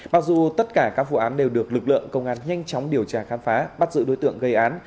mặc dù tất cả các vụ án đều được lực lượng công an nhanh chóng điều tra khám phá bắt giữ đối tượng gây án